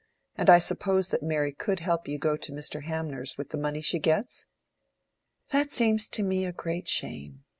And suppose that Mary could help you to go to Mr. Hanmer's with the money she gets?" "That seems to me a great shame.